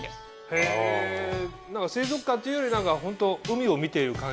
へぇ水族館というより何かホント海を見ている感じ。